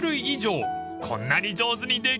［こんなに上手にできるかな？］